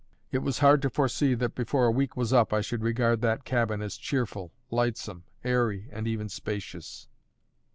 It was hard to foresee that, before a week was up, I should regard that cabin as cheerful, lightsome, airy, and even spacious.